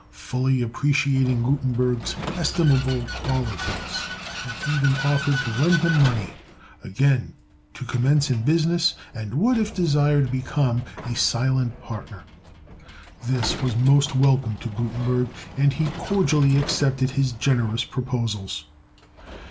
Fully appreciating Gutenberg's estimable qualities, he even offered to lend him money, again to commence in business, and would, if desired, become a silent partner. This was most welcome to Gutenberg, and he cordially accepted his generous proposals.